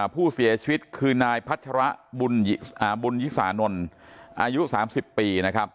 ผู้เสียชีวิตคือนายพัชระบุญศานลอายุ๓๐ปี